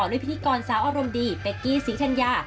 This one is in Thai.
ด้วยพิธีกรสาวอารมณ์ดีเป๊กกี้ศิษย์ธัญญา